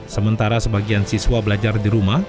sementara sebagian siswa belajar di rumah